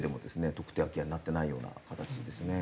特定空き家になってないような形ですね。